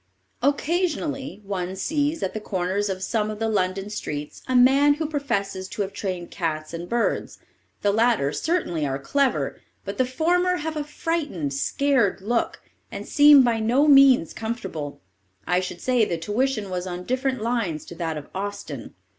Occasionally one sees, at the corners of some of the London streets, a man who professes to have trained cats and birds; the latter, certainly, are clever, but the former have a frightened, scared look, and seem by no means comfortable. I should say the tuition was on different lines to that of Austin.